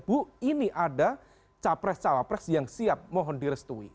bu ini ada capres cawapres yang siap mohon direstui